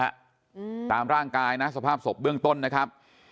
อืมตามร่างกายนะสภาพศพเบื้องต้นนะครับ